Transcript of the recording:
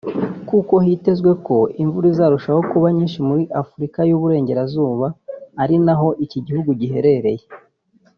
kuko hitezwe ko imvura izarushaho kuba nyinshi muri Afurika y’Uburengerazuba ari na ho iki gihugu giherereye